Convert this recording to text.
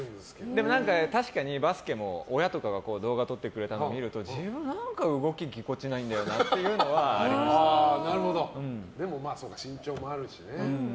でも何か確かにバスケも、親とかが動画を撮ってくれたのを見ると自分、何か動きぎこちないんだよなっていうのはでも身長もあるしね。